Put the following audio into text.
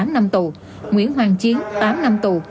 một mươi tám năm tù nguyễn hoàng chiến tám năm tù